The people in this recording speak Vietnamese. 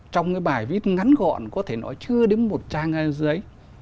trong cái bài viết ngắn gọn có thể nói chưa đến một trang giấy